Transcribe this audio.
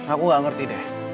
aku gak ngerti deh